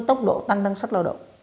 tốc độ tăng năng suất lao động